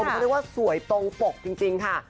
ก็คือว่าสวยตงปกจริงค่ะ